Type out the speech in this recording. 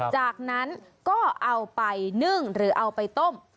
จากนั้นก็เอาไปนึ่งหรือเอาไปต้ม